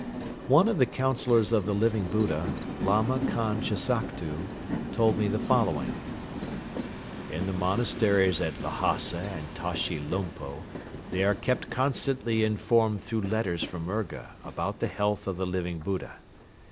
One of the Councillors of the Living Buddha, Lama Khan Jassaktu, told me the following: "In the monasteries at Lhasa and Tashi Lumpo they are kept constantly informed through letters from Urga about the health of the Living Buddha.